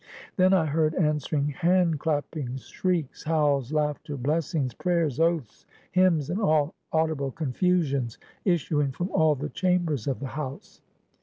Then I heard answering hand clappings, shrieks, howls, laughter, blessings, prayers, oaths, hymns, and all audible confusions issuing from all the chambers of the house.